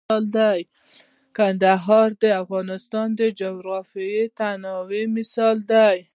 کندهار د افغانستان د جغرافیوي تنوع مثال دی.